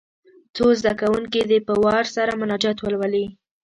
څو زده کوونکي دې په وار سره مناجات ولولي.